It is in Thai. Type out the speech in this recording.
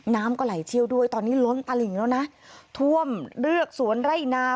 น้ำก็ไหลเชี่ยวด้วยตอนนี้ล้นตลิ่งแล้วนะท่วมเรือกสวนไร่นา